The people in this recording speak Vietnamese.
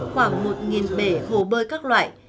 khoảng một bể hồ bơi các loại